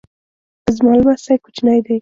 زما لمسی کوچنی دی